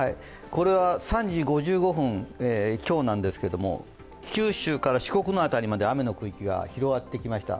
これは３時５５分、今日なんですが、九州から四国の辺りまで雨の区域が広がってきました。